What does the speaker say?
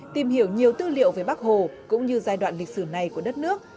tìm hiểu nhiều tư liệu về bắc hồ cũng như giai đoạn lịch sử này của đất nước